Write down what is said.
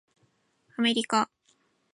アメリカ